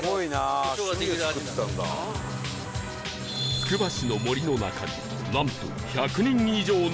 つくば市の森の中になんと１００人以上の行列